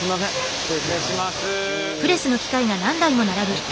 失礼します。